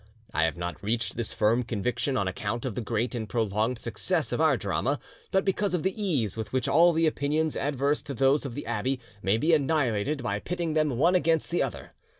I have not reached this firm conviction on account of the great and prolonged success of our drama, but because of the ease with which all the opinions adverse to those of the abbe may be annihilated by pitting them one against the other.